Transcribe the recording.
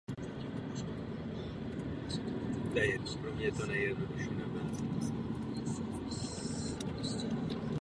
O životě tohoto básníka nemáme podrobné zprávy.